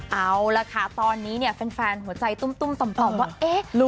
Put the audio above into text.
เอาล่ะค่ะตอนนี้เนี่ยแฟนหัวใจตุ้มต่อมว่าเอ๊ะ